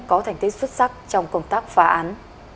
có thành tích xuất sắc trong công tác phá án